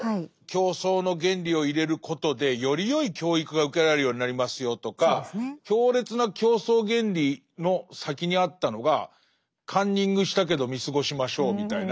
競争の原理を入れることでよりよい教育が受けられるようになりますよとか強烈な競争原理の先にあったのがカンニングしたけど見過ごしましょうみたいな。